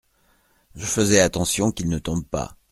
Je faisais attention qu’il ne tombe pas.